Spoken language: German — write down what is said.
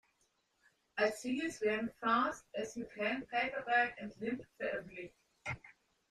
Als Singles werden "Fast as You Can", "Paper Bag" und "Limp" veröffentlicht.